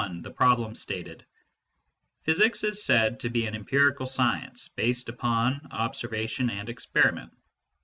THE PROBLEM STATED OHYSICS is said to be an empirical science, based A upon observation and experiment.